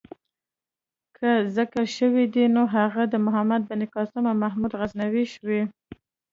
که ذکر شوی دی نو هغه د محمد بن قاسم او محمود غزنوي شوی.